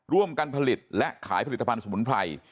ร่วมกันผลิตและขายผลิตภัณฑ์สมุนไพร